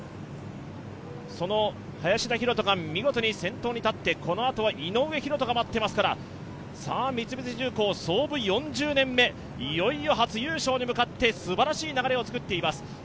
その林田洋翔が見事に先頭に立ってこのあとは井上大仁が待っていますから、三菱重工、創部４０年目、いよいよ初優勝に向かってすばらしい流れを作っています。